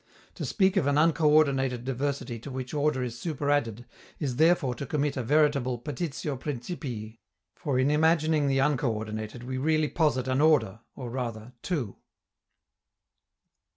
To speak of an uncoördinated diversity to which order is superadded is therefore to commit a veritable petitio principii; for in imagining the uncoördinated we really posit an order, or rather two.